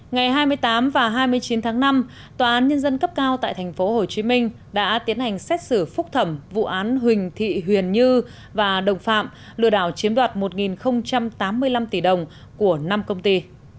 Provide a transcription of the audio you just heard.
ngày hai mươi tám và hai mươi chín tháng năm tòa án nhân dân cấp cao tại tp hcm đã tiến hành xét xử phúc thẩm vụ án huỳnh thị huyền như và đồng phạm lừa đảo chiếm đoạt một tám mươi năm tỷ đồng của năm công ty